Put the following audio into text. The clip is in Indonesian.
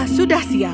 tapi dia sudah siap